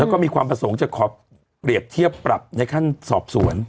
แล้วก็มีความประสงค์จะขอเปรียบเทียบปรับในขั้นสอบสวน